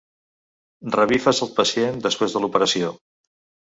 Revifes el pacient després de l'operació.